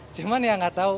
cuma ya gak tau